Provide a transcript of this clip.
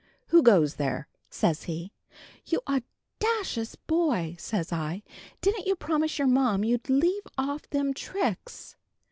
'Who goes there?' says he. 'You awdacious boy!' says I, 'Didn't you promise your ma you'd leave off them tricks?'